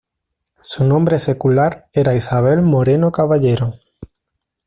Su nombre secular era Isabel Moreno Caballero.